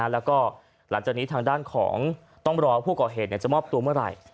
แล้วก็หลังจากนี้ทางด้านของต้องรอผู้ก่อเหตุจะมอบตัวเมื่อไหร่